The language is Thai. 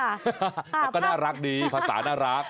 แล้วก็น่ารักดีภาษาน่ารัก